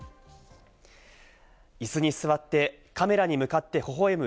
椅子に座ってカメラに向かってほほ笑む